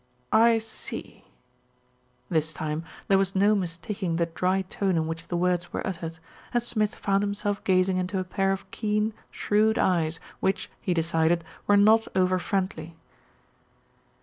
"I see." This time there was no mistaking the dry tone in which the words were uttered, and Smith found himself gazing into a pair of keen, shrewd eyes which, he de cided, were not over friendly.